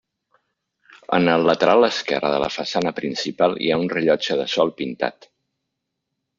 En el lateral esquerre de la façana principal hi ha un rellotge de sol pintat.